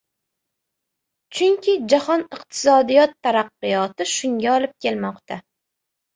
Chunki jahon iqtisodiyo taraqqiyoti shunga olib kelmoqda.